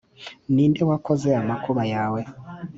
ni nde wakoze amakuba yawe,